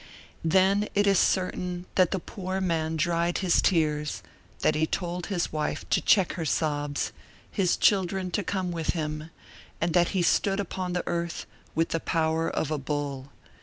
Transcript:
Then it is certain that the poor man dried his tears, that he told his wife to check her sobs, his children to come with him, and that he stood upon the earth with the power of a bull.